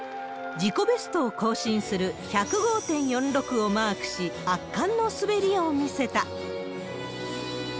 自己ベストを更新する１０５．４６をマークし、圧巻の滑りを見せた。